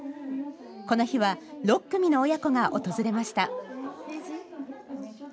この日は６組の親子が訪れました。